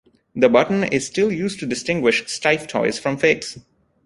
The button is still used to distinguish Steiff toys from fakes.